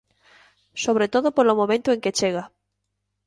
Sobre todo polo momento en que chega.